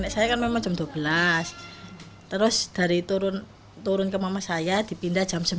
saya kan memang jam dua belas terus dari turun turun ke mama saya ke rumah saya ke rumah saya ke rumah saya